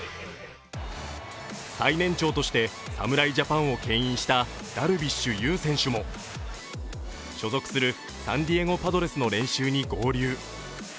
最年長として侍ジャパンをけん引したダルビッシュ有選手も所属するサンディエゴ・パドレスの練習に合流。